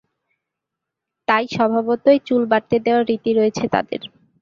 তাই স্বভাবতই চুল বাড়তে দেওয়ার রীতি রয়েছে তাদের।